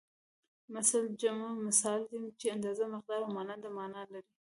مثل جمع مثال دی چې اندازه مقدار او مانند مانا لري